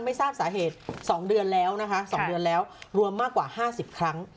ไม่ทราบสาเหตุ๒เดือนแล้วนะคะ๒เดือนแล้วรวมมากกว่า๕๐ครั้ง